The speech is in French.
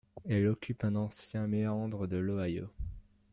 Elle occupe un ancien méandre de l’Ohio.